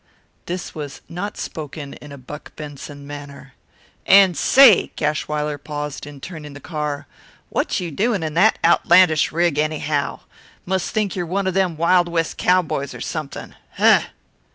This was not spoken in a Buck Benson manner. "And say" Gashwiler paused in turning the car "what you doing in that outlandish rig, anyhow? Must think you're one o' them Wild West cowboys or something. Huh!"